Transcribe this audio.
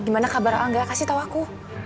gimana kabar angga kasih tahu aku